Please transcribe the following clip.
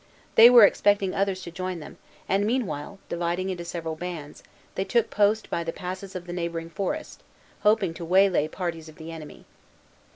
They were expecting others to join them; and meanwhile, dividing into several bands, they took post by the passes of the neighboring forest, hoping to waylay parties of the enemy.